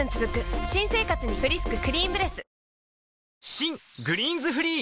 新「グリーンズフリー」